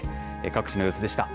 各地の様子でした。